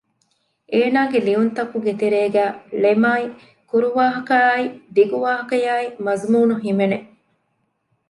އޭނާގެ ލިޔުންތަކުގެ ތެރޭގައި ޅެމާއި ކުރުވާހަކައާއި ދިގު ވާހަކަޔާއި މަޒުމޫނު ހިމެނެ